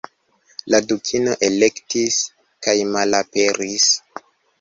La Dukino elektis, kajmalaperis!